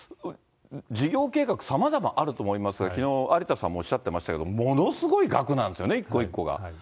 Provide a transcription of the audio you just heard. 事業計画、さまざまあると思いますが、きのう、有田さんもおっしゃってましたけれども、ものすごい額なんですよね、一個一個が。